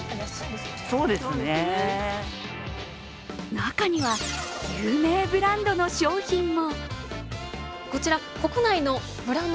中には、有名ブランドの商品も。